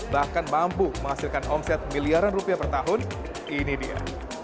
bahkan mampu menghasilkan omset miliaran rupiah per tahun ini dia